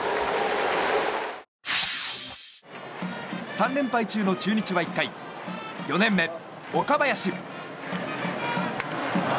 ３連敗中の中日は１回４年目、岡林。